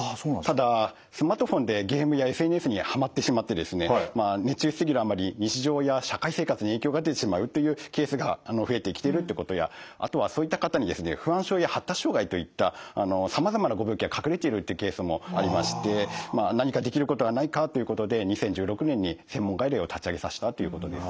ただスマートフォンでゲームやＳＮＳにはまってしまってですね熱中し過ぎるあまり日常や社会生活に影響が出てしまうっていうケースが増えてきてるっていうことやあとはそういった方にですね不安症や発達障害といったさまざまなご病気が隠れているっていうケースもありまして何かできることはないかということで２０１６年に専門外来を立ち上げさせたということです。